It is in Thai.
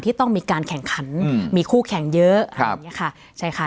ที่ต้องมีการแข่งขันมีคู่แข่งเยอะอะไรอย่างเงี้ยค่ะใช่ค่ะ